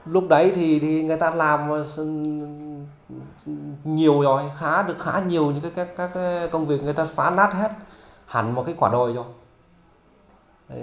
lúc đấy thì người ta làm nhiều rồi khá được khá nhiều những cái công việc người ta phá nát hết hẳn một cái quả đồi rồi